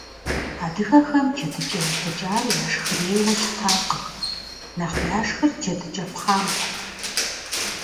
Адыгэхэм джэдыкӏэ ивыкӏар яшхырейуэ щытакъым, нэхъ яшхыр джэдыкӏэ пхъампэт.